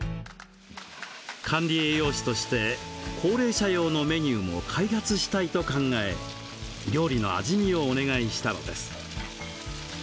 管理栄養士として高齢者用のメニューも開発したいと考え料理の味見をお願いしたのです。